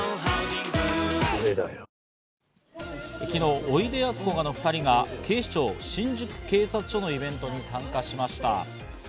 昨日、おいでやすこがの２人が警視庁新宿警察署のイベントに参加しました。